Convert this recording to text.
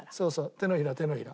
手のひら手のひら。